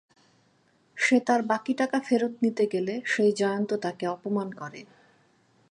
সে তার বাকি টাকা ফেরত নিতে গেলে সেই জয়ন্ত তাকে অপমান করে।